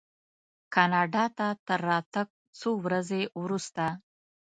کاناډا ته تر راتګ څو ورځې وروسته.